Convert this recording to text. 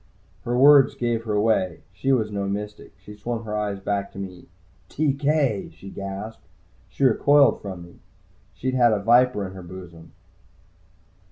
Her words gave her away she was no mystic. She swung her eyes back to me: "TK!" she gasped. She recoiled from me. She'd had a viper to her bosom.